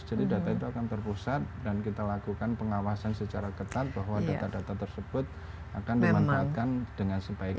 jadi data itu akan terpusat dan kita lakukan pengawasan secara ketat bahwa data data tersebut akan dimanfaatkan dengan sebaiknya